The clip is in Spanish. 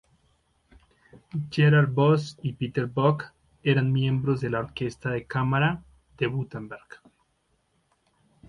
Gerhard Voss y Peter Buck eran miembros de la Orquesta de Cámara de Wurtemberg.